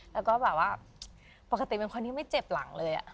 แล้วก็แบบว่าปกติเป็นคนที่ไม่เจ็บหลังเลย